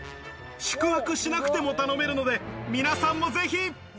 宿泊しなくても頼めるので、皆さんもぜひ。